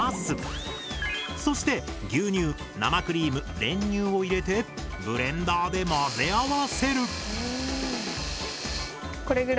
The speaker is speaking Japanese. そして牛乳生クリーム練乳を入れてブレンダーで混ぜ合わせる！